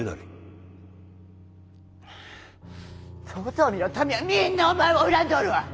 遠江の民はみんなお前を恨んでおるわ！